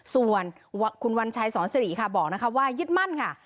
ส่วนคุณวัญชัยสศรีค่ะบอกว่ายึดมั่นค่ะ